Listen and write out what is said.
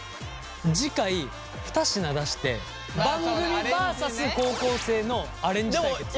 次回２品出して番組バーサス高校生のアレンジ対決。